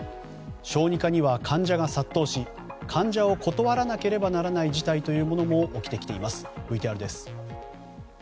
小児科には患者が殺到し患者を断らなければならない事態というものも起きてきています。